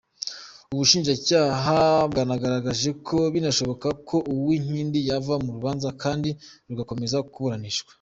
Ubushinjacyaha bwanagaragaje ko binashoboka ko Uwinkindi yava mu rubanza kandi rugakomeza kuburanishwa.